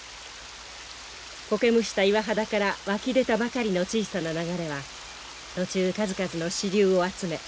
苔むした岩肌から湧き出たばかりの小さな流れは途中数々の支流を集め